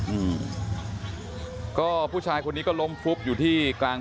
อืมก็ผู้ชายคนนี้ก็ล้มฟุบอยู่ที่กลาง